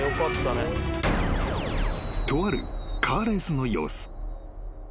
［とあるカーレースの様子］